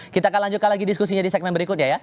kita akan lanjutkan lagi diskusinya di segmen berikutnya ya